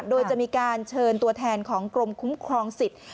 โดยจะมีการเชิญตัวแทนของกรมคุ้มครองสิทธิ์